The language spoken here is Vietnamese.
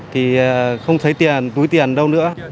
thì không thấy tiền túi tiền đâu nữa